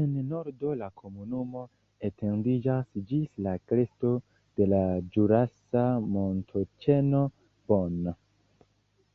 En nordo la komunumo etendiĝas ĝis la kresto de la ĵurasa montoĉeno Born.